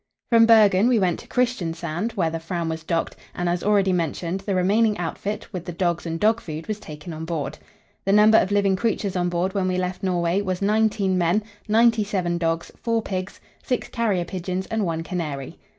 From Bergen we went to Christiansand, where the Fram was docked, and, as already mentioned, the remaining outfit, with the dogs and dog food, was taken on board. The number of living creatures on board when we left Norway was nineteen men, ninety seven dogs, four pigs, six carrier pigeons, and one canary.